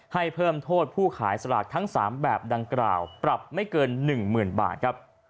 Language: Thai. ให้เพิ่มโทษผู้ขายสลากทั้ง๓แบบดังกล่าวปรับไม่เกิน๑๐๐๐บาทครับ